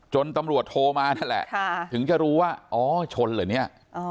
ตำรวจโทรมานั่นแหละถึงจะรู้ว่าอ๋อชนเหรอเนี่ย